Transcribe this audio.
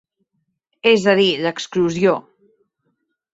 És a dir, l’exclusió.